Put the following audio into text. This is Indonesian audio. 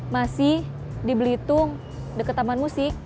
masih di belitung dekat taman musik